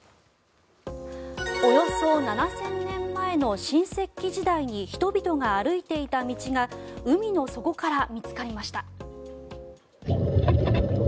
およそ７０００年前の新石器時代に人々が歩いていた道が海の底から見つかりました。